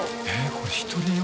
これ１人用？